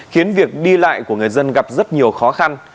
khiến việc đi lại của người dân gặp rất nhiều khó khăn